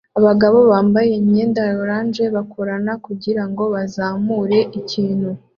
Abagabo bambaye imyenda ya orange bakorana kugirango bazamure ikintu